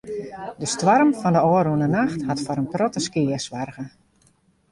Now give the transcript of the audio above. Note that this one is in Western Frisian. De stoarm fan de ôfrûne nacht hat foar in protte skea soarge.